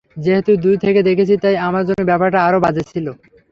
যেহেতু দূর থেকে দেখেছি তাই আমার জন্য ব্যাপারটা আরও বাজে ছিল।